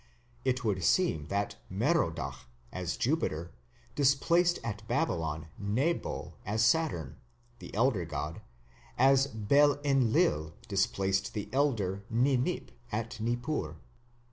It would seem that Merodach as Jupiter displaced at Babylon Nebo as Saturn, the elder god, as Bel Enlil displaced the elder Ninip at Nippur.